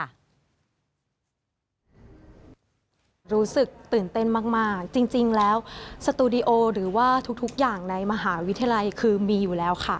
รู้สึกตื่นเต้นมากจริงแล้วสตูดิโอหรือว่าทุกอย่างในมหาวิทยาลัยคือมีอยู่แล้วค่ะ